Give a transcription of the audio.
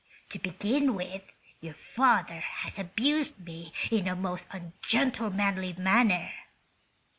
To begin with, your father has abused me in a most ungentlemanly manner."